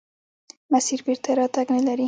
مسیر بېرته راتګ نلري.